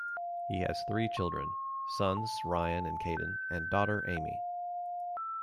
He has three children: sons Ryan and Caden, and daughter Aimee.